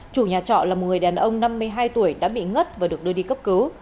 chủ nhà trọ là một người đàn ông năm mươi hai tuổi đã bị ngất và được đưa đi cấp cứu